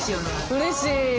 うれしい。